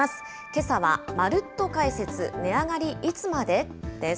けさはまるっと解説、値上がりいつまで？です。